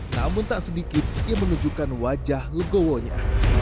namun tak sedikit yang menunjukkan wajah legowonya